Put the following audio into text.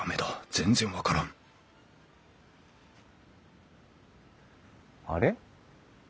全然分からんあれ？